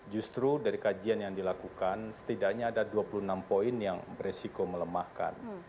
justru dari kajian yang dilakukan setidaknya ada dua puluh enam poin yang beresiko melemahkan